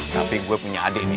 tapi gue punya adik nih